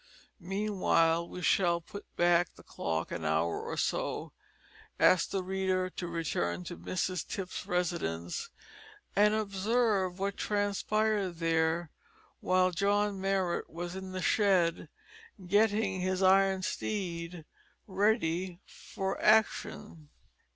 Meanwhile we shall put back the clock an hour or so, ask the reader to return to Mrs Tipps' residence and observe what transpired there while John Marrot was in the shed getting his iron steed ready for action.